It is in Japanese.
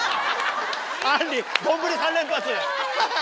「あんり丼３連発」！